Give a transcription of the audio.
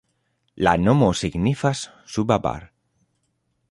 La nomo signifas suba Bar.